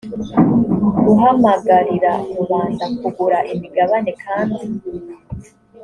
guhamagarira rubanda kugura imigabane kandi